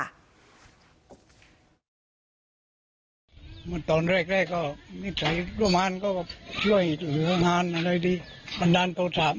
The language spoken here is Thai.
ว่าทำอย่างไรดังนี้เหมือนกระป๋ารพ่อเถียงอย่างไรบ้าง